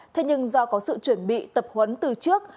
thế nhưng do có sự chuẩn bị tập huấn từ trước